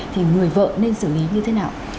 thì người vợ nên xử lý như thế nào